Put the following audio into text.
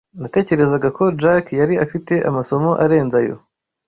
Natekerezaga ko Jack yari afite amasomo arenze ayo.